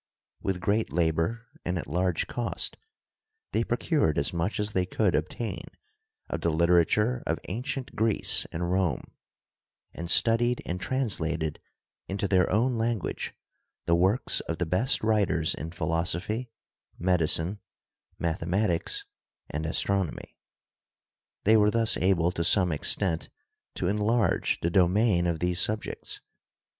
With great labor and at large cost they procured as much as they could obtain of the literature of Ancient Greece and Rome and studied and translated into their own lan guage the works of the best writers in philosophy, medi cine, mathematics and astronomy. They were thus able to some extent to enlarge the domain of these subjects.